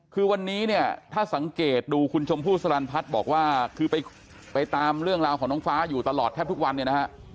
คือวันนี้เนี่ยถ้าสังเกตดูคุณชมพู่สลันพัฒน์บอกว่าคือไปตามเรื่องราวของน้องฟ้าอยู่ตลอดแทบทุกวันเนี่ยนะฮะ